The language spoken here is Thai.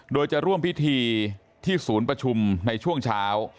โดยจะร่วมพิธีที่ศูนย์ประชุมในช่วงเช้า